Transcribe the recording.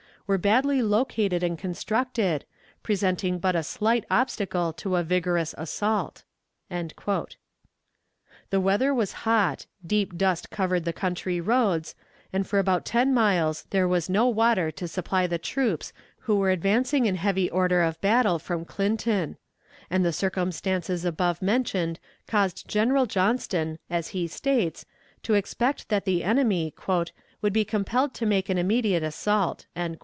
. were badly located and constructed, presenting but a slight obstacle to a vigorous assault." The weather was hot, deep dust covered the country roads, and for about ten miles there was no water to supply the troops who were advancing in heavy order of battle from Clinton; and the circumstances above mentioned caused General Johnston, as he states, to expect that the enemy "would be compelled to make an immediate assault."